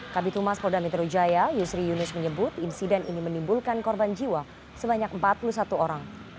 kabitumas polda metro jaya yusri yunus menyebut insiden ini menimbulkan korban jiwa sebanyak empat puluh satu orang